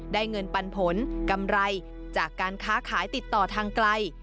เงินปันผลกำไรจากการค้าขายติดต่อทางไกล